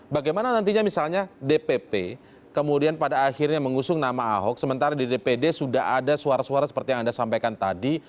bagaimana nantinya misalnya dpp kemudian pada akhirnya mengusung nama ahok sementara di dpd sudah ada suara suara seperti yang anda sampaikan tadi